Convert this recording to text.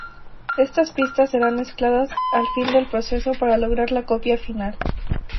Estas pistas serán mezcladas al final del proceso para lograr la copia final.